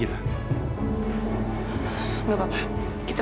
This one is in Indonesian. harus habis lo semua ya